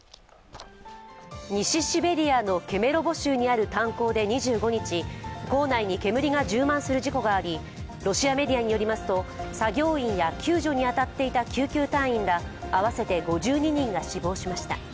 西シベリアのケメロボ州にある炭鉱で２５日坑内に煙が充満する事故がありロシアメディアによりますと、作業員や救助に当たっていた救急隊員ら合わせて５２人が死亡しました。